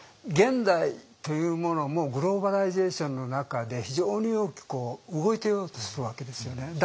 現代というものもグローバライゼーションの中で非常に大きく動いていようとするわけですよね。